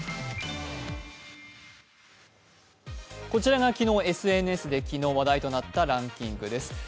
こちらが昨日、ＳＮＳで話題となったランキングです。